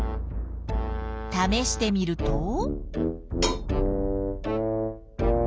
ためしてみると。